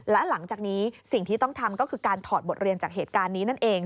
และหลังจากนี้สิ่งที่ต้องทำก็คือการถอดบทเรียนจากเหตุการณ์นี้นั่นเอง